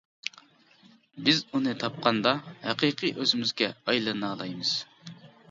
بىز ئۇنى تاپقاندا، ھەقىقىي ئۆزىمىزگە ئايلىنالايمىز.